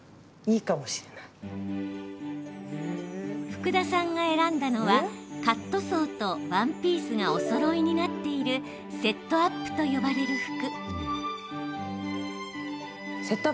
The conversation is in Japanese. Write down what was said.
福田さんが選んだのはカットソーとワンピースがおそろいになっているセットアップと呼ばれる服。